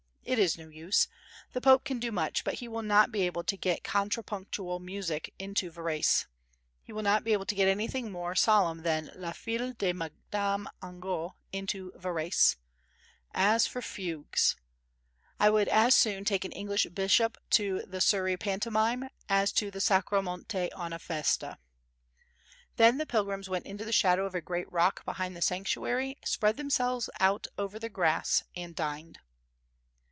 It is no use. The Pope can do much, but he will not be able to get contrapuntal music into Varese. He will not be able to get anything more solemn than La Fille de Madame Angot into Varese. As for fugues—! I would as soon take an English bishop to the Surrey pantomime as to the Sacro Monte on a festa. Then the pilgrims went into the shadow of a great rock behind the sanctuary, spread themselves out over the grass and dined.